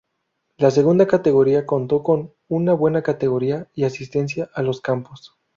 La segunda categoría contó con una buena categoría y asistencia a los campos.